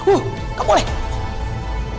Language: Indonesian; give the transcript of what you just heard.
uh gak boleh